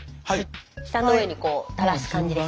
舌の上にこうたらす感じです。